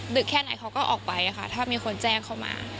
แค่ไหนเขาก็ออกไปค่ะถ้ามีคนแจ้งเข้ามา